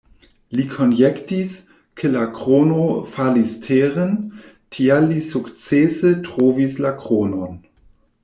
Li konjektis, ke la krono falis teren, tial li sukcese trovis la kronon.